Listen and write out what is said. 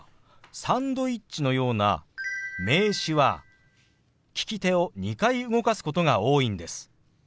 「サンドイッチ」のような名詞は利き手を２回動かすことが多いんです。